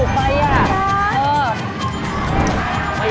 อยู่ที่เท่าไหร่นะ